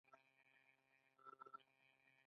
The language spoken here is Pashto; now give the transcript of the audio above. په تولید کې د توکو مبادله ترسره کیږي.